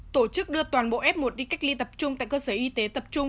tổ chức đưa toàn bộ f một đi cách ly tập trung tại cơ sở y tế tập trung